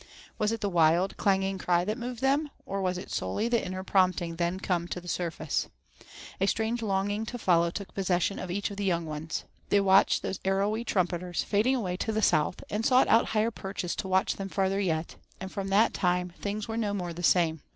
Was it the wild, clanging cry that moved them, or was it solely the inner prompting then come to the surface? A strange longing to follow took possession of each of the young ones. They watched those arrowy trumpeters fading away to the south, and sought out higher perches to watch them farther yet, and from that time things were no more the same.